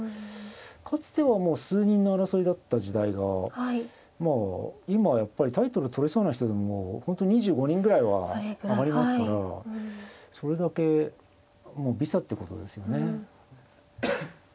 かつてはもう数人の争いだった時代が今はやっぱりタイトル取れそうな人でもう本当２５人ぐらいは挙がりますからそれだけもう微差ってことですよね。